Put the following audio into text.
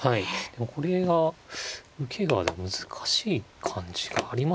でもこれは受けが難しい感じがありますね。